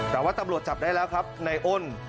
แต่ว่าตำรวจจับได้แล้วครับในอ้น